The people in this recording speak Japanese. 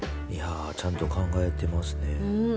ちゃんと考えてますね。